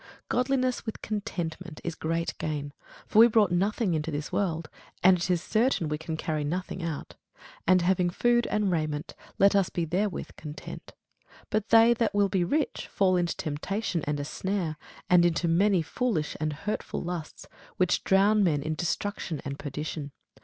Godliness with contentment is great gain. For we brought nothing into this world, and it is certain we can carry nothing out. And having food and raiment let us be therewith content. But they that will be rich fall into temptation and a snare, and into many foolish and hurtful lusts, which drown men in destruction and perdition.